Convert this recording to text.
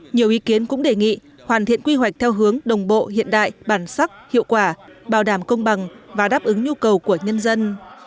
nhiều ý kiến cũng đề nghị hoàn thiện quy hoạch theo hướng đồng bộ hiện đại bản sắc hiệu quả bảo đảm công bằng và đáp ứng nhu cầu của nhân dân